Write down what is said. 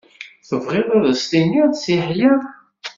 Tebɣiḍ a d-tiniḍ Si Yeḥya?